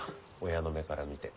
親の目から見て。